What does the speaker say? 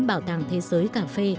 bảo tàng thế giới cà phê